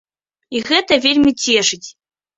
І гэта вельмі цешыць.